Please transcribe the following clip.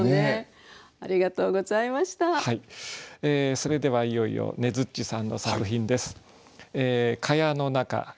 それではいよいよねづっちさんの作品です。